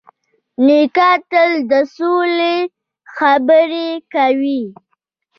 نیکه تل د سولې خبرې کوي.